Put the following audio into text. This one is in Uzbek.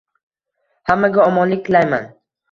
Hammaga omonlik tilayman.